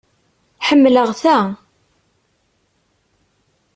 Ḥemmleɣ ta.